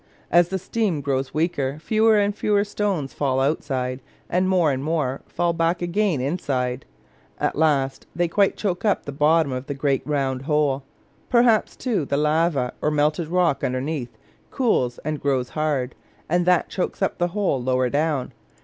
As the steam grows weaker, fewer and fewer stones fall outside, and more and more fall back again inside. At last they quite choke up the bottom of the great round hole. Perhaps, too, the lava or melted rock underneath cools and grows hard, and that chokes up the hole lower down.